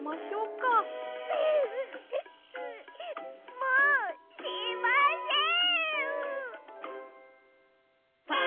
もうしません！